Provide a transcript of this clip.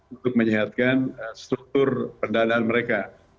untuk menyehatkan struktur pendanaan mereka